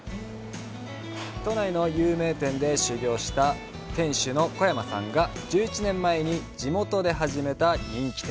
都内の有名店で修業した店主の小山さんが、１１年前に地元で始めた人気店。